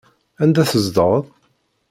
Anda tzedɣeḍ?